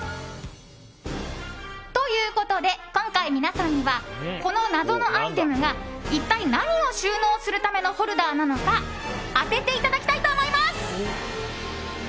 ということで今回、皆さんにはこの謎のアイテムが一体、何を収納するためのホルダーなのか当てていただきたいと思います。